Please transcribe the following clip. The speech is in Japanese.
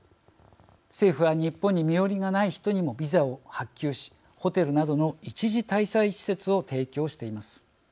政府は日本に身寄りがない人にもビザを発給しホテルなどの一時滞在施設を提供しています。